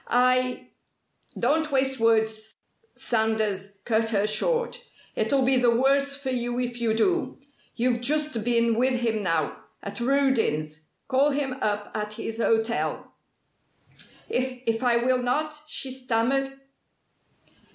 I " "Don't waste words," Sanders cut her short. "It'll be the worse for you if you do. You've just been with him now, at Rudin's. Call him up at his hotel." "If if I will not?" she stammered.